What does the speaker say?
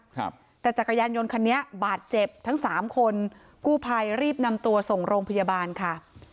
ครับแต่จักรยานยนต์คันนี้บาดเจ็บทั้งสามคนกู้ภัยรีบนำตัวส่งโรงพยาบาลค่ะ